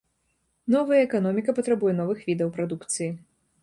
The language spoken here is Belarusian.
Новая эканоміка патрабуе новых відаў прадукцыі.